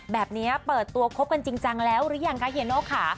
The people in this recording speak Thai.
แบบนี้เปิดตัวคบกันจริงจังแล้วหรือยังคะเฮียโน่ค่ะ